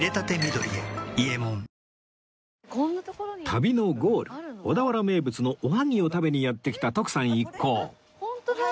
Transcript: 旅のゴール小田原名物のおはぎを食べにやって来た徳さん一行あっホントだ。